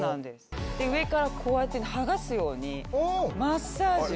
上からこうやって剥がすようにマッサージを。